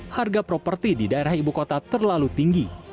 harga properti di daerah ibu kota terlalu tinggi